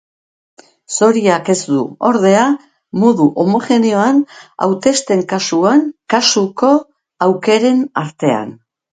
Zoriak ez du, ordea, modu homogeneoan hautesten kasuan kasuko aukeren artean.